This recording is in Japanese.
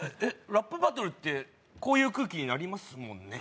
ラップバトルってこういう空気になりますもんね